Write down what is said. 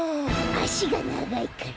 あしがながいから？